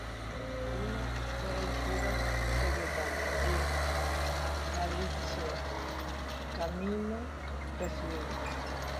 Giorgio Vido fue elegido secretario y Fabrizio Comencini presidente.